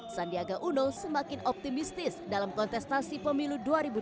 sandiaga uno semakin optimistis dalam kontestasi pemilu dua ribu dua puluh